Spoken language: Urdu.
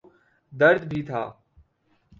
درد بھی تھا۔